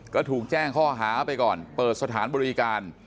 ก็ถูกแจ้งข้อหาไปก่อนเปิดสถานบริการ